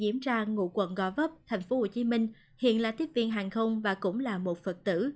cô đã diễm ra ngụ quận gò vấp thành phố hồ chí minh hiện là tiếp viên hàng không và cũng là một phật tử